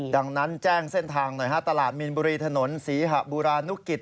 ดังนั้นแจ้งเส้นทางหน่อยฮะตลาดมีนบุรีถนนศรีหะบุรานุกิจ